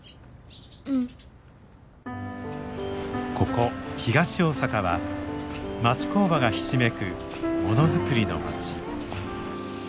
ここ東大阪は町工場がひしめくものづくりの町。